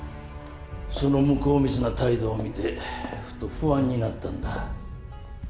その向こう見ずな態度を見てふと不安になったんだ。